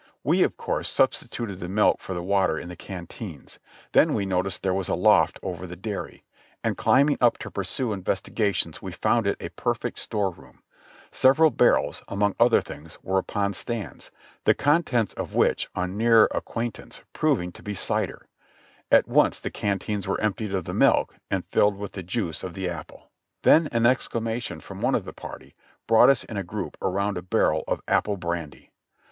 We of course substituted the milk for the water in the canteens ; then we noticed there was a loft over the dairy, and climbing up to pursue investigations we found it a perfect store room ; several barrels, among other things, were upon stands, the contents of which on nearer ac quaintance proving to be cider, at once the canteens were emptied of the milk and filled with the juice of the apple ; then an excla mation from one of the party brought us in a group around a barrel of apple brandy.